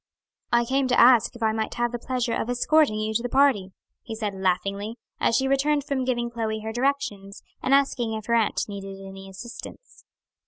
"I came to ask if I might have the pleasure of escorting you to the party," he said laughingly, as she returned from giving Chloe her directions, and asking if her aunt needed any assistance.